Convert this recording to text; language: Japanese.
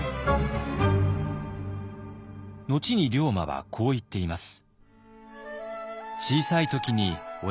後に龍馬はこう言っています。